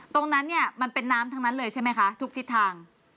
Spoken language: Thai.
ตรงนั้นเนี่ยมันเป็นน้ำทั้งนั้นเลยใช่ไหมคะทุกทิศทาง